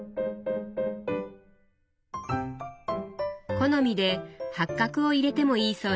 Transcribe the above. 好みで八角を入れてもいいそうです。